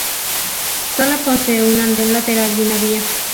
Solo posee un anden lateral y una vía.